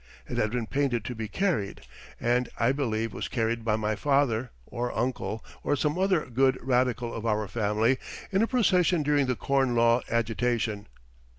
It had been painted to be carried, and I believe was carried by my father, or uncle, or some other good radical of our family, in a procession during the Corn Law agitation.